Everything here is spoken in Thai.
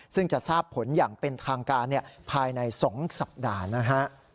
ซึ่งจะทราบผลอย่างเป็นทางการภายใน๒สัปดาห์นะฮะ